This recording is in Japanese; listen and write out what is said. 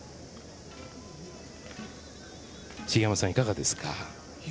茂山さん、いかがですか？